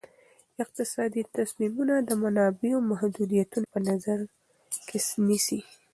اقتصادي تصمیمونه د منابعو محدودیتونه په نظر کې نیسي.